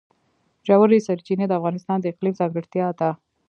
ژورې سرچینې د افغانستان د اقلیم ځانګړتیا ده.